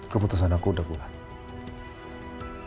keputusan aku udah bulan